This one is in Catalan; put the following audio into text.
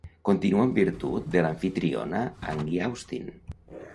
Continua en virtut de l'amfitriona Angie Austin.